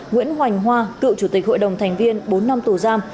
nguyễn hoành hoa cựu chủ tịch hội đồng thành viên bốn năm tù giam